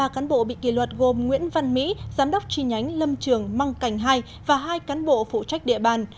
ba cán bộ bị kỷ luật gồm nguyễn văn mỹ giám đốc tri nhánh lâm trường măng cảnh hai và hai cán bộ phụ trách địa bàn